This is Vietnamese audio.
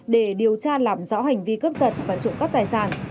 để điều tra làm rõ hành vi cướp giật và trụ cấp tài sản